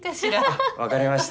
あっ分かりました。